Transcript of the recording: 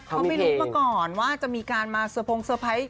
เขาไม่รู้มาก่อนว่าจะมีการมาเตอร์พงเซอร์ไพรส์